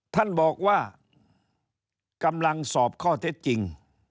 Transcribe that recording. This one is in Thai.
ท่านบอกว่ากำลังสอบข้อเท็จจริง